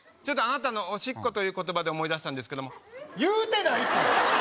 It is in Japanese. ちょっとあなたのオシッコという言葉で思い出したんですけども言うてないて！